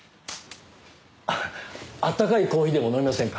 あったかいコーヒーでも飲みませんか？